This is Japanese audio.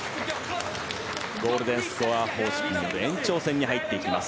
ゴールデンスコア方式による延長戦に入っていきます。